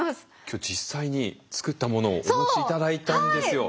今日実際に作ったものをお持ち頂いたんですよ。